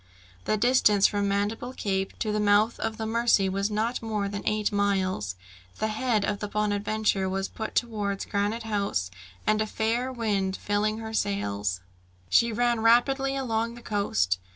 The distance from Mandible Cape to the mouth of the Mercy was not more than eight miles. The head of the Bonadventure was put towards Granite House, and a fair wind filling her sails, she ran rapidly along the coast.